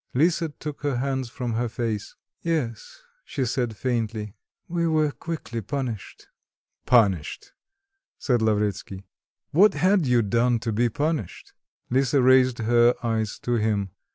Lisa took her hands from her face. "Yes," she said faintly: "we were quickly punished." "Punished," said Lavretsky.... "What had you done to be punished?" Lisa raised her eyes to him.